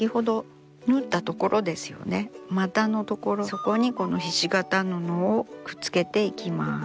そこにこのひし形の布をくっつけていきます。